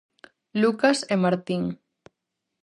Lucas e Martín.